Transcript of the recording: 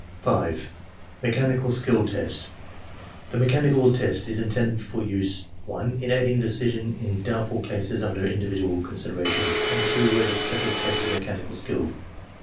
5. MECHANICAL SKILL TEST The mechanical test is intended for use (1) in aiding decision in doubtful cases imder individual consideration, and (2) as a special test of mechanical skill.